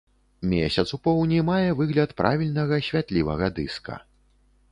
Месяц у поўні мае выгляд правільнага святлівага дыска.